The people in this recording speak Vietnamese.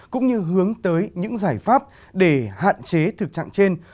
cũng như hướng tới những giải pháp để hạn chế thực trạng trên